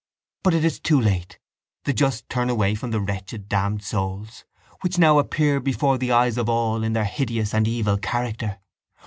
But it is too late: the just turn away from the wretched damned souls which now appear before the eyes of all in their hideous and evil character.